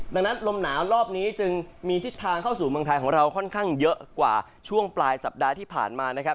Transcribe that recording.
ดังนั้นลมหนาวรอบนี้จึงมีทิศทางเข้าสู่เมืองไทยของเราค่อนข้างเยอะกว่าช่วงปลายสัปดาห์ที่ผ่านมานะครับ